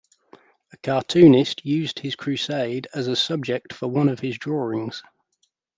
A cartoonist used his crusade as a subject for one of his drawings.